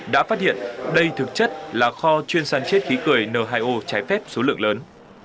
đã phát hiện đây thực chất là kho chuyên săn chiết khí cười n hai o trái phép số lượng lớn